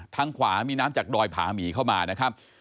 ทางขวามีน้ำจากดอยผาหมีเข้ามานะครับ